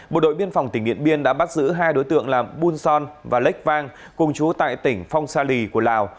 bộ đội biên phòng tỉnh điện biên đã bắt giữ hai đối tượng là bun son và lách vang cùng chú tại tỉnh phong sa lì của lào